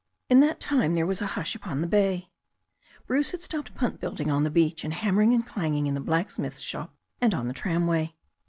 In that time there was a hush upon the bay. Bruce had stopped punt building on the beach, and hammering and clanging in the blacksmith's shop and on the tramway.